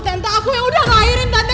tante aku yang udah ngairin tante